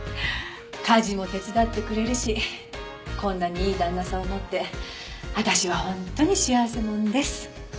家事も手伝ってくれるしこんなにいい旦那さんを持って私は本当に幸せ者です。